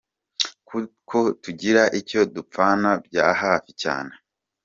Kuko tugira icyo dupfana bya hafi cyane